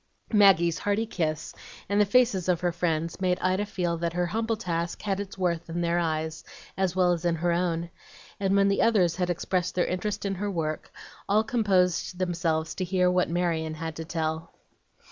Maggie's hearty kiss, and the faces of her friends, made Ida feel that her humble task had its worth in their eyes, as well as in her own; and when the others had expressed their interest in her work, all composed themselves to hear what Marion had to tell.